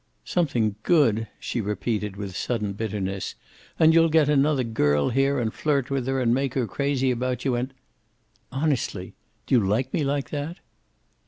"Something good," she repeated, with sudden bitterness. "And you'll get another girl here, and flirt with her, and make her crazy about you, and " "Honestly, do you like me like that?"